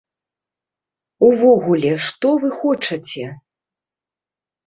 Увогуле, што вы хочаце?